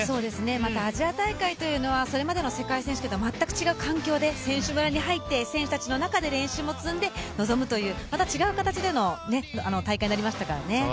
またアジア大会というのはそれまでの世界選手権とは全く違う環境で選手村に入って選手たちの中で練習も積んで臨むというまた違う形での大会になりましたからね。